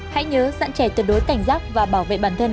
hãy nhớ sẵn trẻ tuyệt đối cảnh giác và bảo vệ bản thân